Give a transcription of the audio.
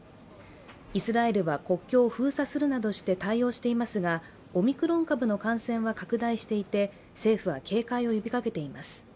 イスラエルは国境を封鎖するなどして対応していますが、オミクロン株の感染は拡大していて政府は警戒を呼びかけています。